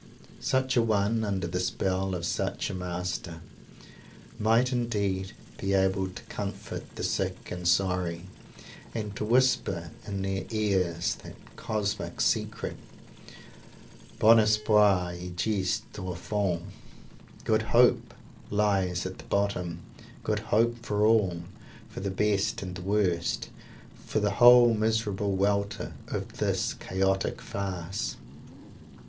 Such a one, under the spell of such a master, might indeed be able to comfort the sick and sorry, and to whisper in their ears that cosmic secret "Bon Espoir y gist au fond!" "Good Hope lies at the Bottom!" "Good Hope" for all; for the best and the worst for the whole miserable welter of this chaotic farce!